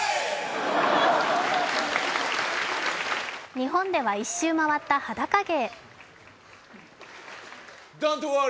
日本では一周回った裸芸。